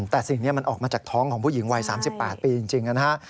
แต่สิ่งนี้มันออกมาจากท้องของผู้หญิงวัย๓๘ปีจริงนะฮะ